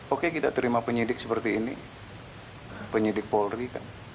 oke kita terima penyidik seperti ini penyidik polri kan